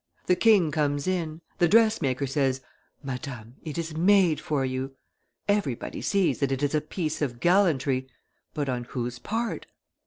The king comes in. The dressmaker says, 'Madame, it is made for you.' Everybody sees that it is a piece of gallantry; but on whose part?